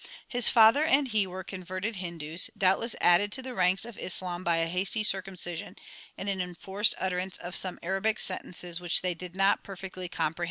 His father and he were converted Hindus, doubtless added to the ranks of Islam by a hasty circumcision and an enforced utterance of some Arabic sentences which they did not perfectly comprehend.